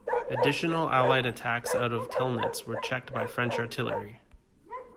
Additional Allied attacks out of Telnitz were checked by French artillery.